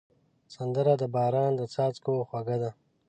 سندره د باران د څاڅکو خوږه ده